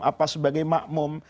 apa sebagai makmum